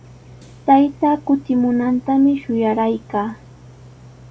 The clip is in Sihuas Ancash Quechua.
Taytaa kutimunantami shuyaykaa.